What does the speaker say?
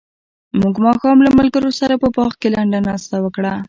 موږ ماښام له ملګرو سره په باغ کې لنډه ناسته وکړه.